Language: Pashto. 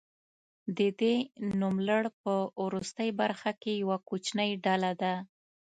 د دې نوملړ په وروستۍ برخه کې یوه کوچنۍ ډله ده.